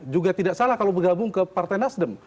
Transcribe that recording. juga tidak salah kalau bergabung ke partai nasdem